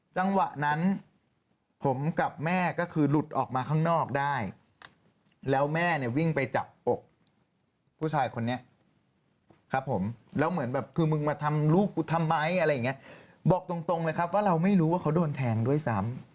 จังหวะนั้นผมกับแม่ก็คือหลุดออกมาข้างนอกได้แล้วแม่เนี่ยวิ่งไปจับอกผู้ชายคนนี้ครับผมแล้วเหมือนแบบคือมึงมาทำลูกกูทำไมอะไรอย่างเงี้ยบอกตรงเลยครับว่าเราไม่รู้ว่าเขาโดนแทงด้วยซ้ำ